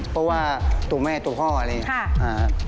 เพราะว่าตัวแม่ตัวพ่ออะไรอย่างนี้